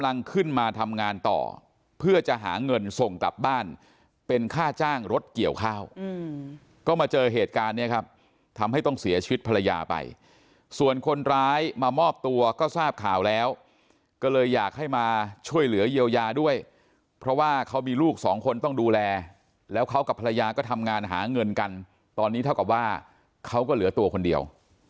กำลังขึ้นมาทำงานต่อเพื่อจะหาเงินส่งกลับบ้านเป็นค่าจ้างรถเกี่ยวข้าวก็มาเจอเหตุการณ์เนี่ยครับทำให้ต้องเสียชีวิตภรรยาไปส่วนคนร้ายมามอบตัวก็ทราบข่าวแล้วก็เลยอยากให้มาช่วยเหลือเยียวยาด้วยเพราะว่าเขามีลูกสองคนต้องดูแลแล้วเขากับภรรยาก็ทำงานหาเงินกันตอนนี้เท่ากับว่าเขาก็เหลือตัวคนเดียว